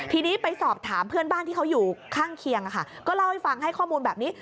ทีนี้ไปสอบถามเพื่อนบ้านที่เขาอยู่ข้างเคียงก็เล่าให้ฟังให้ข้อมูลแบบนี้